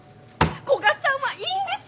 古賀さんはいいんですか！？